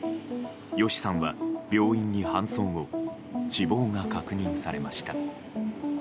ＹＯＳＨＩさんは病院に搬送後死亡が確認されました。